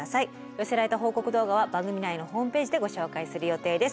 寄せられた報告動画は番組内のホームページでご紹介する予定です。